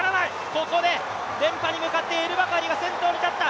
ここで連覇に向かってエルバカリが前に立った。